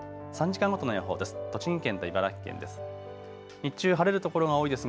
３時間ごとの予報です。